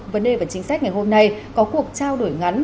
vấn đề và chính sách ngày hôm nay có cuộc trao đổi ngắn